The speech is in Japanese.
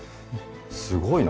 すごいな。